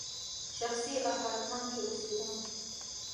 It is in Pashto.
شخصي اپارتمان کې اوسېده.